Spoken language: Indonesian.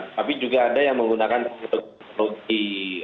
tapi juga ada yang menggunakan untuk di